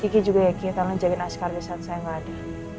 kiki juga ya tolong jagain askar disaat saya gak ada